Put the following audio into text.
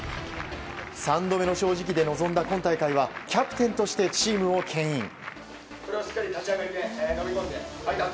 三度目の正直で臨んだ今大会はキャプテンとしてチームを牽引。